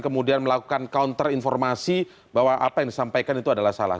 kemudian melakukan counter informasi bahwa apa yang disampaikan itu adalah salah